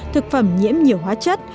thực phẩm nhiễm nhiều hóa chất